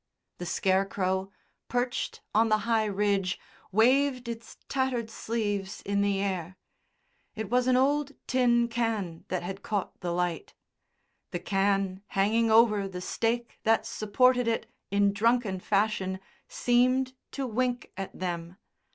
The Scarecrow, perched on the high ridge, waved its tattered sleeves in the air. It was an old tin can that had caught the light; the can hanging over the stake that supported it in drunken fashion seemed to wink at them.